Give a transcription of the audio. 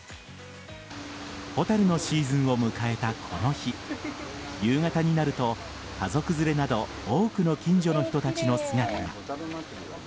ホタルのシーズンを迎えたこの日夕方になると家族連れなど多くの近所の人たちの姿が。